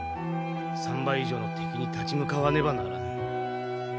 ３倍以上の敵に立ち向かわねばならぬ。